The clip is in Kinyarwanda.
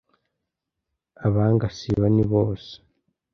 abanga siyoni bose